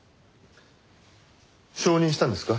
承認したんですか？